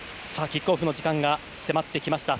キックオフの時間が迫ってきました。